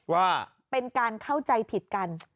ว่าการเข้าใจผิดกัน